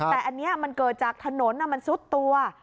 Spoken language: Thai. แต่อันนี้มันเกิดจากถนนมันซุดตัว